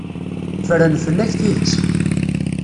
Ffren fell-ak tidet.